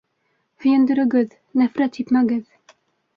Һөйөндөрөгөҙ, нәфрәт һипмәгеҙ.